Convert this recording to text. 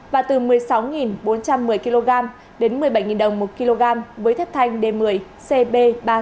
và từ một mươi sáu bốn trăm một mươi kg đến một mươi bảy đồng một kg với thép thanh d một mươi cb ba trăm linh